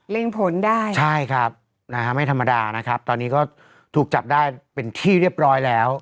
ผลได้ใช่ครับนะฮะไม่ธรรมดานะครับตอนนี้ก็ถูกจับได้เป็นที่เรียบร้อยแล้ว